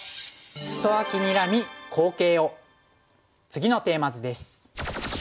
次のテーマ図です。